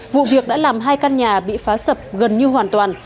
vụ việc đã làm hai căn nhà bị phá sập gần như hoàn toàn